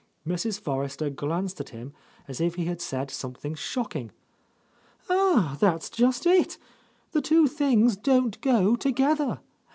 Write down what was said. Mrs. Forrester glanced at him as if he had said something shocking. "Ah, that's just it! The two things don't go together.